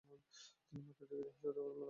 তিনি প্রাকৃতিক ইতিহাস জাদুঘরে দান করে দেন।